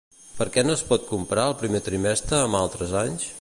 Per què no es pot comprar el primer trimestre amb altres anys?